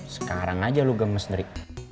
sekarang aja lu gemes nri